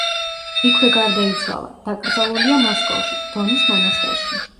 იქვე გარდაიცვალა, დაკრძალულია მოსკოვში, დონის მონასტერში.